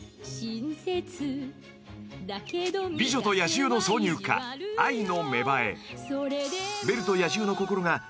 ［『美女と野獣』の挿入歌『愛の芽生え』］